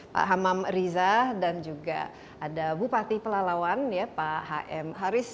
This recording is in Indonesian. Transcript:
pak hamam riza dan juga ada bupati pelalawan ya pak hm haris